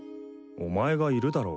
お前がいるだろ。